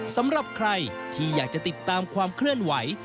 สำหรับใครที่อยากจะติดตามความเคลื่อนไหว